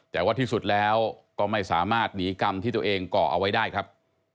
แต่ว่าที่สุดแล้วก็ไม่สามารถหนีกรรมที่ตัวเองก่อเอาไว้ได้ครับ